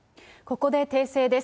ここで訂正です。